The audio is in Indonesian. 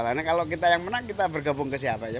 karena kalau kita yang menang kita bergabung ke siapa aja